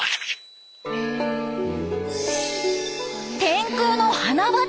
天空の花畑？